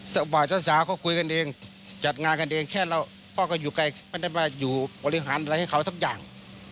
บ่ายเจ้าสาวเขาคุยกันเองจัดงานกันเองแค่เราพ่อก็อยู่ไกลไม่ได้มาอยู่บริหารอะไรให้เขาสักอย่าง